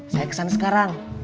saya kesana sekarang